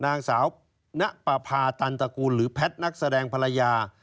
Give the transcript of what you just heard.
นางสาวน้ะปลาพาตันตกุลหรือแพทนักแสดงภรรยา